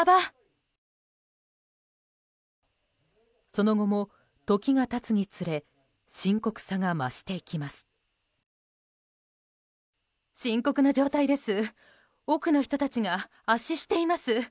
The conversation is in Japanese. その後も、時が経つにつれ深刻さが増していきます。